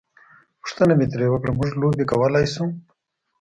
پوښتنه مې ترې وکړه: موږ لوبې کولای شو؟